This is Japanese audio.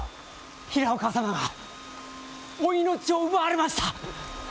平岡様が、お命を奪われました。